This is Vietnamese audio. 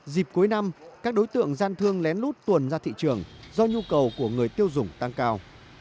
dịp cuối năm các đối tượng gian thương lén lút tuồn ra thị trường do nhu cầu của người tiêu dùng tăng cao